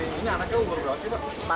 ini anaknya umur berapa sih pak